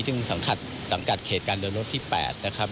ซึ่งสังกัดสังกัดเขตการเดินรถที่๘นะครับ